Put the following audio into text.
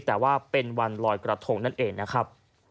แต่ว่าเป็นวันลอยกระทงนั่นเองนะครับ